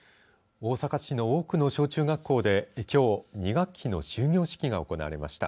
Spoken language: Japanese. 大阪市の多くの小中学校できょう２学期の終業式が行われました。